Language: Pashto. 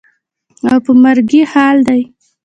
او په مرګي حال دى.